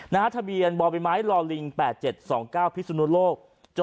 นะฮะทะเบียนบ่บิม้ายรอลิ่งแปดเจ็ดสองเก้าพิสุนุปโลก